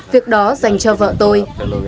việc đó dành cho vợ tôi